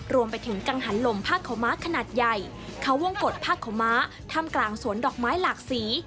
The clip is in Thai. รวมไปถึงกังหันลมผ้าขาวม้าขนาดใหญ่เขาวงกฎผ้าขาวม้าถ้ำกลางสวนดอกไม้หลากสี